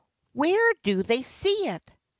' Where do they see it ?